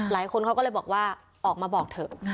หลายคนเขาก็เลยบอกว่าออกมาบอกเถอะ